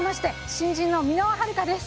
新人の箕輪はるかです。